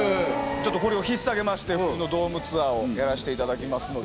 これを引っ提げましてドームツアーをやらせていただきます。